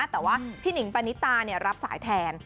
แต่ว่าพี่หนิงปานิตารับสายแทน